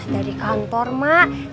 dari kantor emang